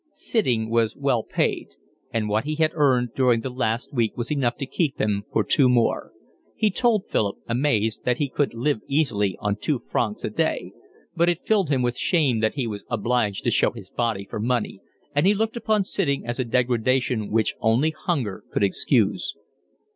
Sitting was well paid, and what he had earned during the last week was enough to keep him for two more; he told Philip, amazed, that he could live easily on two francs a day; but it filled him with shame that he was obliged to show his body for money, and he looked upon sitting as a degradation which only hunger could excuse.